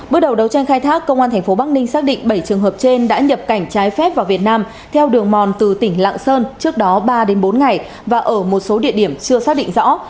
bước đầu đấu tranh khai thác công an tp bắc ninh xác định bảy trường hợp trên đã nhập cảnh trái phép vào việt nam theo đường mòn từ tỉnh lạng sơn trước đó ba đến bốn ngày và ở một số địa điểm chưa xác định rõ